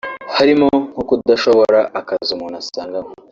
harimo nko kudashobora akazi umuntu asanganywe